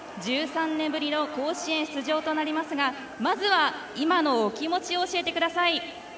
１３年ぶりの甲子園出場となりますがまずは今のお気持ちを教えてください。